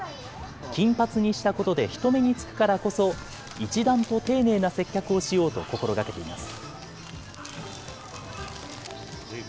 金髪にしたことで、人目につくからこそ、一段と丁寧な接客をしようと心がけています。